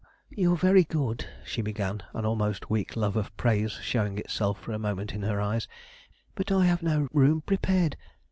"You are very good," she began, an almost weak love of praise showing itself for a moment in her eyes; "but I have no room prepared.